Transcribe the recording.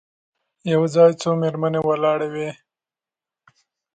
یو ځای څو مېرمنې ولاړې وې.